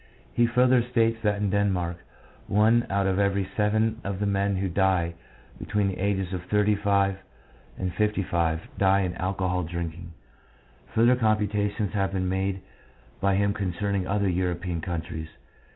He further states that in Denmark one out of every seven of the men who die between the ages of thirty five and fifty five die of alcohol drinking. Further com putations have been made by him concerning other European countries.